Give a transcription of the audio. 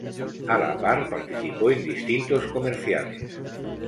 A la par participó en distintos comerciales.